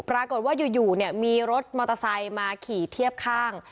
ปรากฏว่าอยู่เนี่ยมีรถมอเตอร์ไซค์มาขี่เทียบข้าง